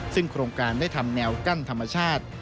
ซึ่งโครงการได้ทำแนวกั้นธรรมชาติ